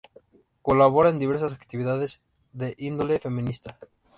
Colabora en diversas actividades de índole feminista.